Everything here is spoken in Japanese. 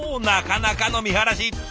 なかなかの見晴らし。